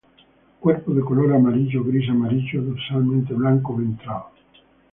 Cuerpo de color amarillo o gris-amarillo dorsalmente, blanco ventral.